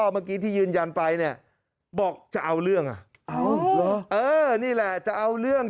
เมื่อกี้ที่ยืนยันไปเนี่ยบอกจะเอาเรื่องอ่ะเออนี่แหละจะเอาเรื่อง